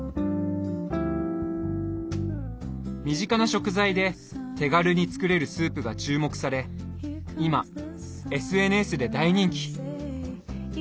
身近な食材で手軽に作れるスープが注目され今ＳＮＳで大人気。